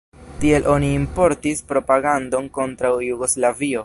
Tiel oni importis propagandon kontraŭ Jugoslavio.